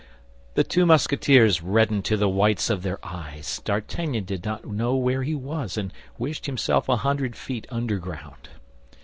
The two Musketeers reddened to the whites of their eyes. D'Artagnan did not know where he was, and wished himself a hundred feet underground.